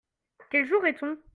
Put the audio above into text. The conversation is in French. Quel jour est-on ?